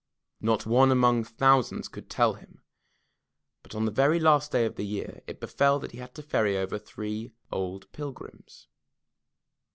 Not one among thousands could tell him. But on the very last day of the year, it befell that he had to ferry over three old pilgrims.